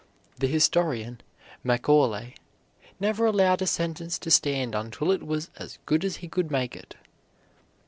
The historian, Macaulay, never allowed a sentence to stand until it was as good as he could make it.